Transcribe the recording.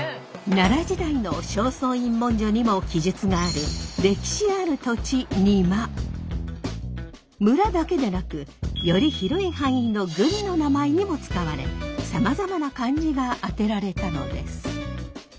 奈良時代の「正倉院文書」にも記述がある村だけでなくより広い範囲の郡の名前にも使われさまざまな漢字が当てられたのです。